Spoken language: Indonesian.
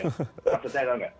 maksudnya tau nggak